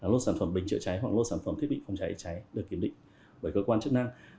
lô sản phẩm bình chữa cháy hoặc lô sản phẩm thiết bị phòng cháy cháy được kiểm định bởi cơ quan chức năng